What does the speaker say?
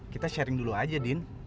kita sharing dulu aja din